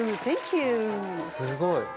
すごい。